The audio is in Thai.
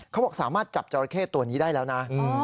เขาบอกสามารถจับจราเข้ตัวนี้ได้แล้วนะ